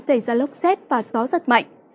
xảy ra lốc xét và gió giật mạnh